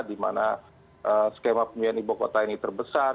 di mana skema pemilihan ibu kota ini terbesar